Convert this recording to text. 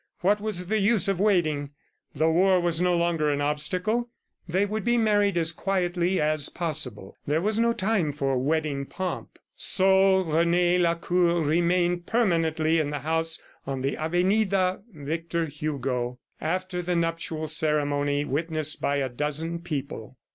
What was the use of waiting? ... The war was no longer an obstacle. They would be married as quietly as possible. This was no time for wedding pomp. So Rene Lacour remained permanently in the house on the avenida Victor Hugo, after the nuptial ceremony witnessed by a dozen people.